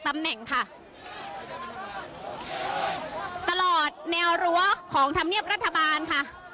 ตำแหน่งค่ะตลอดแนวรั้วของธรรมเนียบรัฐบาลค่ะ